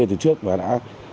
từ trước và đã